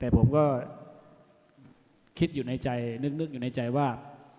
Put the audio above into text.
แต่ผมก็คิดอยู่ในใจนึกอยู่ในใจว่า